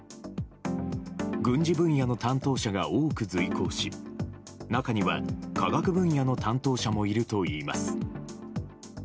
軍事分野の担当者が多く随行し、中には科学分野の担当者もいるといいます。